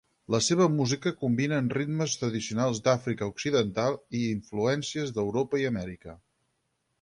La seva música combina ritmes tradicionals d'Àfrica Occidental i influències d'Europa i Amèrica.